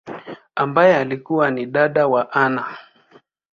ambaye alikua ni dada wa Anna.